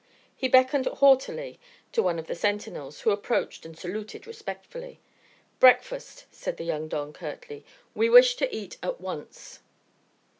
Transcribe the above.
He beckoned haughtily to one of the sentinels, who approached and saluted respectfully. "Breakfast," said the young don, curtly. "We wish to eat at once."